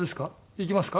行きますか？